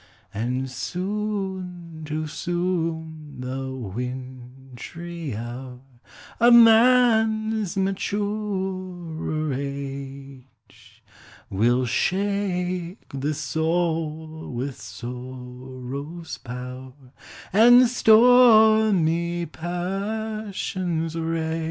And soon, too soon, the wintry hour Of man's maturer age Will shake the soul with sorrow's power, And stormy passion's rage.